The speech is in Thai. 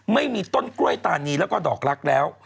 ไม่มีต้นกล้วยตานีแล้วก็ดอกรักแล้ว